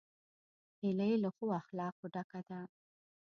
هیلۍ له ښو اخلاقو ډکه ده